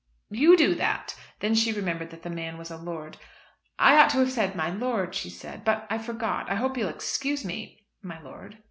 "You do that." Then she remembered that the man was a lord. "I ought to have said 'my lord,'" she said; "but I forgot. I hope you'll excuse me my lord."